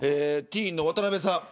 ティーンの渡邊さん。